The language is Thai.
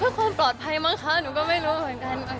เพื่อความปลอดภัยมั้งคะหนูก็ไม่รู้เหมือนกัน